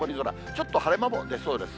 ちょっと晴れ間も出そうです。